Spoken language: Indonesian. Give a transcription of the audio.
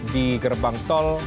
di gerbang tol